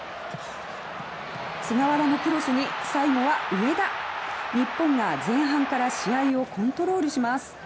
菅原のクロスに最後は上田日本が前半から試合をコントロールします。